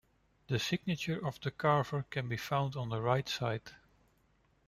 The signature of the carver can be found on the right side.